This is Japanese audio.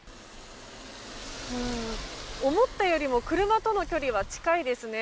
思ったよりも車との距離は近いですね。